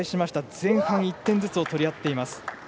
前半１点ずつ取り合っています。